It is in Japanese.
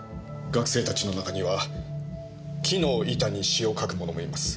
学生たちの中には木の板に詩を書く者もいます。